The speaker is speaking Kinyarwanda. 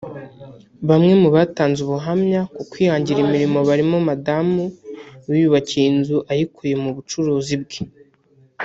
Bamwe mu batanze ubuhamya ku kwihangira imirimo barimo umudamu wiyubakiye inzu ayikuye mu bucuruzi bwe